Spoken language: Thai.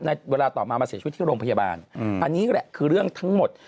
ในเวลาต่อมามาเสียชีวิตที่โรงพยาบาลอันนี้แหละคือเรื่องทั้งหมด